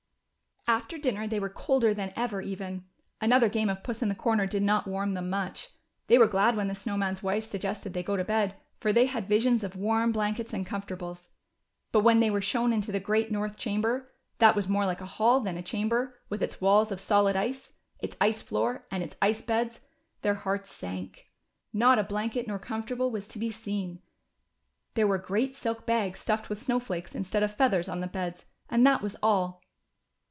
After dinner they were colder than ever, even. Another game of j)uss in the corner " did not warm them much ; they were glad when the Snow Man's wife suggested that they go to bed, for they had visions of warm blankets and comfortables. But Avhen they were shown into the great north chamber, that was more like a hall than a chamber, Avith its walls of solid ice, its ice floor, and its ice beds, their hearts sank. Not a blanket nor comfortable was to be seen; there were great silk bags stuffed Avith snow flakes instead of feathers on the beds, and that was all.